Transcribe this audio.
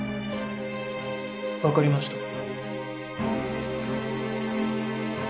分かりました。